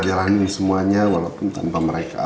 jalanin semuanya walaupun tanpa mereka